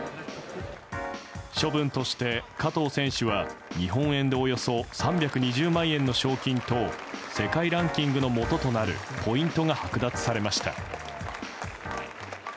処分として加藤選手は、日本円でおよそ３２０万円の賞金と世界ランキングのもととなるポイントがはく奪されました。